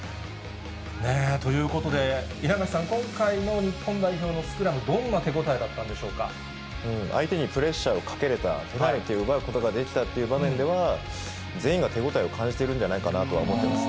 ねぇ、ということで、稲垣さん、今回の日本代表のスクラム、相手にプレッシャーをかけれた、ペナルティーを奪うことができたっていう場面では、全員が手応えを感じてるんじゃないかなと思います。